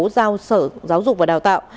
giao sở giáo dục và đào tạo